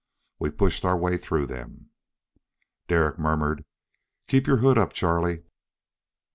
We pushed our way through them. Derek murmured, "Keep your hood up, Charlie."